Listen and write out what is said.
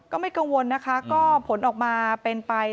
ก็ไม่กังวลนะคะก็ผลออกมาเป็นไป